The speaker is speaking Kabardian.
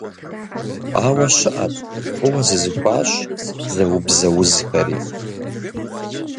Ауэ щыӏэт фӏыуэ зызыхуащӏ, зэубзэ узхэри.